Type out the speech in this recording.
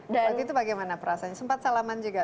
waktu itu bagaimana perasaannya sempat salaman juga